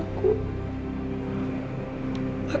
sampai jumpa lagi